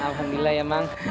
alhamdulillah ya mang